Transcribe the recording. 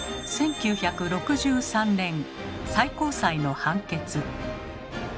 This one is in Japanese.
１９６３年最高裁の判決。